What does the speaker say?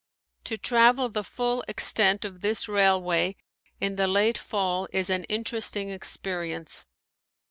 To travel the full extent of this railway in the late fall is an interesting experience.